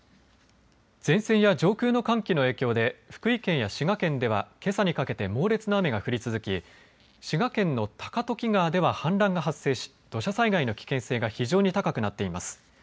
前線や上空の寒気の影響で福井県や滋賀県ではけさにかけて猛烈な雨が降り続き滋賀県の高時川では氾濫が発生し土砂災害の危険性が非常に高くなっています。